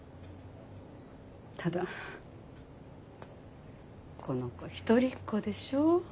ただこの子一人っ子でしょ？